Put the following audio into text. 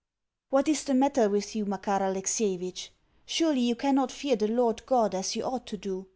What is the matter with you, Makar Alexievitch? Surely you cannot fear the Lord God as you ought to do?